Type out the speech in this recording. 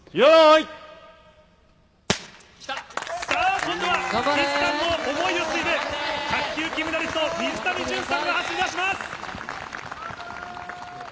今度は岸さんの想いを継いで、卓球の金メダリスト、水谷隼さんが走り出します。